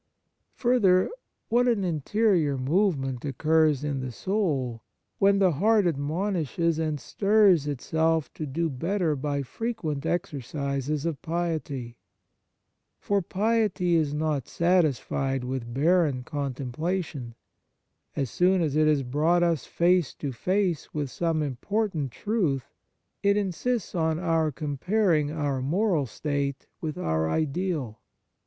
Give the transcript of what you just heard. Further, what an interior move ment occurs in the soul, when the heart admonishes and stirs itself to do better by frequent exercises of piety ! For piety is not satisfied with barren contemplation. As soon as it has brought us face to face with some important truth, it insists on our comparing our moral state with our ideal.